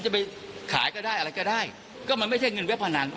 อ๋อโหไม่ได้เลยว่ะมีหน้าว่ะ